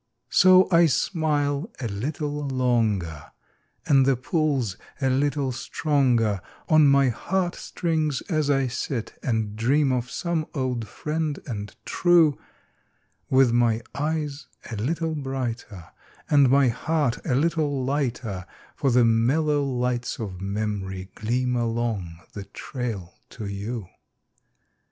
S O I smile a little longer, And the pull's a little stronger On mg heart strings as I sit and ] dream of some old "friend and true °(Dith mg eges a little brighter And mg heart a little lighter, por the mellow lights OT memorij qleam Aloncj the trail to gou.